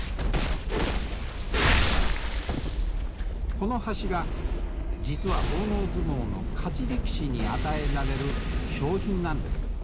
この柱実は奉納相撲の勝ち力士に与えられる賞品なんです。